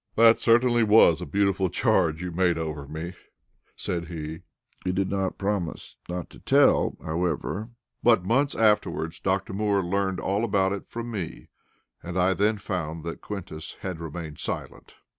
"That certainly was a beautiful charge you made over me," said he. He did not promise not to tell, however; but months afterwards, Dr. Moore learned all about it from me, and I then found that Quintus had remained silent.